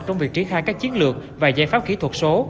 trong việc triển khai các chiến lược và giải pháp kỹ thuật số